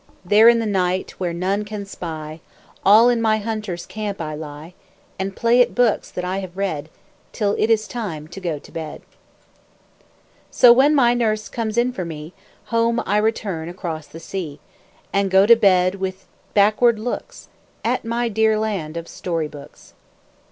There in the night, where none can spy, All in my hunter's camp I lie, And play at books that I have read, Till it is time to go to bed. So, when my nurse comes in for me, Home I return across the sea, And go to bed with backward looks At my dear Land of Story Books.